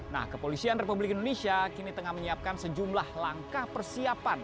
nah kepolisian republik indonesia kini tengah menyiapkan sejumlah langkah persiapan